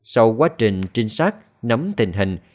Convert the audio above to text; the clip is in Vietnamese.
sau quá trình trinh sát nắm tình hình